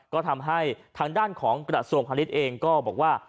ก็ทำให้ทางด้านของกระทรวงพาณิชย์เองก็บอกว่า